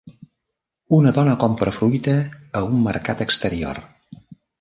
Una dona compra fruita a un mercat exterior